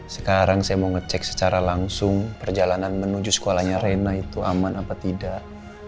sekarang saya mau ngecek secara langsung perjalanan menuju sekolahnya reina itu aman apa tidak